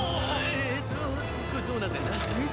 はい！